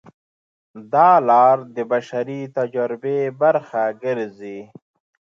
دا لار د بشري تجربې برخه ګرځي.